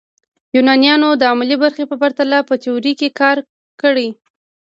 یونانیانو د عملي برخې په پرتله په تیوري کار کړی.